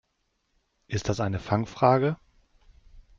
Ist das eine Fangfrage?